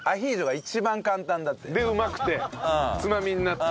でうまくてつまみになって？